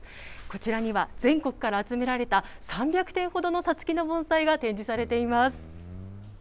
こちらには、全国から集められた３００点ほどのさつきの盆栽が展示されています。